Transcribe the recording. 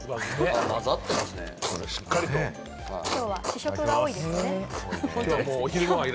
今日は試食が多いですね。